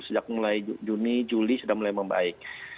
sejak mulai juni juli sudah mulai membaik